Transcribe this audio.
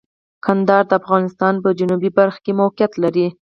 کندهار د افغانستان په جنوبی برخه کې موقعیت لري.